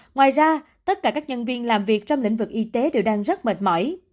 ngoài ra tất cả các nhân viên làm việc trong lĩnh vực y tế đều đang rất mệt mỏi